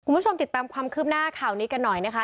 คุณผู้ชมติดตามความคืบหน้าข่าวนี้กันหน่อยนะคะ